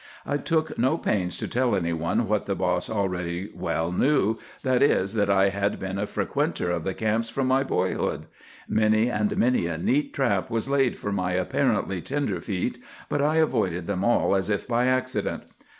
I took no pains to tell any one what the boss already well knew; that is, that I had been a frequenter of the camps from my boyhood. Many and many a neat trap was laid for my apparently 'tender' feet, but I avoided them all as if by accident.